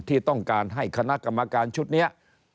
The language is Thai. ที่ต้องการให้คณะกรรมการชุดนี้